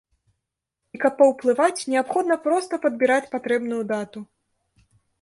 І каб паўплываць, неабходна проста падбіраць патрэбную дату.